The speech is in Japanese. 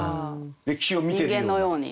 歴史を見てるように。